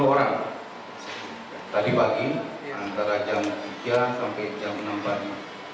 sepuluh orang tadi pagi antara jam tiga sampai jam enam pagi